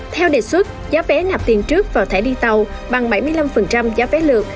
theo đề xuất giá vé nạp tiền trước vào thẻ đi tàu bằng bảy mươi năm giá vé lượt